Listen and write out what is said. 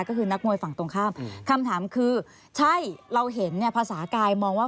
ก็คือนักมวยฝั่งตรงข้ามคำถามคือใช่เราเห็นเนี่ยภาษากายมองว่า